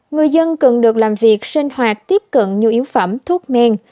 người dân cần được làm việc sinh hoạt tiếp cận nhu yếu phẩm thuốc men